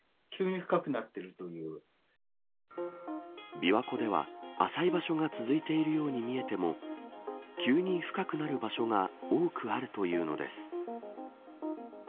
琵琶湖では浅い場所が続いているように見えても急に深くなる場所が多くあるというのです。